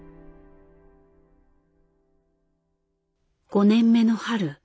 ５年目の春。